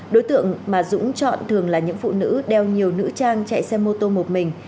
đối tượng mà dũng chọn thường là những phụ nữ đeo nhiều nữ trang chạy xe mô tô một mình